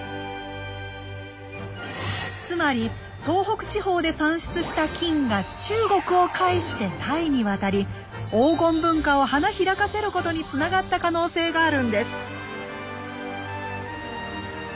つまり東北地方で産出した金が中国を介してタイに渡り黄金文化を花開かせることにつながった可能性があるんです。